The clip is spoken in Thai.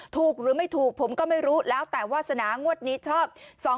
ถูกหรือไม่ถูกผมก็ไม่รู้แล้วแต่วาสนางวดนี้ชอบ